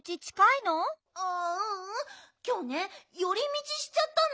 きょうねよりみちしちゃったの。